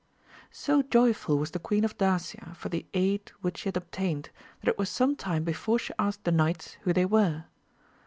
|0 joyful was the Queen of Dacia for the aid which she had obtained, that it was some II time before she asked the knights who they were.